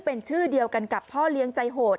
เป็นชื่อเดียวกันกับพ่อเลี้ยงใจโหด